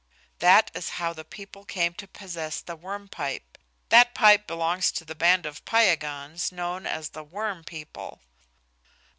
That is how the people came to possess the Worm Pipe. That pipe belongs to the band of Piegans known as the Worm People.